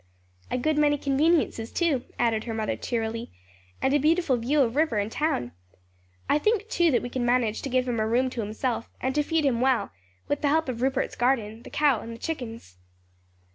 "A good many conveniences, too," added her mother, cheerily, "and a beautiful view of river and town. I think, too, that we can manage to give him a room to himself, and to feed him well, with the help of Rupert's garden, the cow and the chickens."